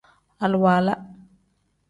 Aliwala.